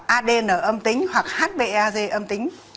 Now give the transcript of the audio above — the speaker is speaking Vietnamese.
adn âm tính hoặc hb az âm tính